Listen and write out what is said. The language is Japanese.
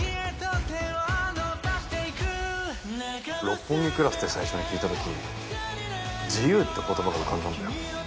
「六本木クラス」って最初に聞いた時「自由」って言葉が浮かんだんだよ。